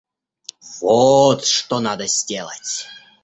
Вот что надо сделать!